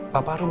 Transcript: bapak ah rung